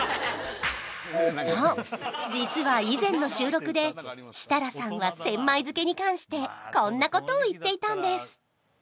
そう実は以前の収録で設楽さんは千枚漬けに関してこんなことを言っていたんです